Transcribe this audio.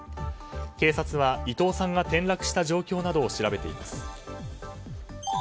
警察は伊藤さんが転落した状況などを調べています。